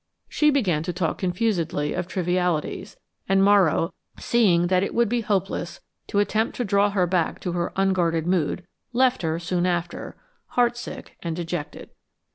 She began to talk confusedly of trivialities; and Morrow, seeing that it would be hopeless to attempt to draw her back to her unguarded mood, left her soon after heartsick and dejected.